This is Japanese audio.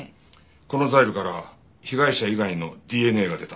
このザイルから被害者以外のＤＮＡが出た。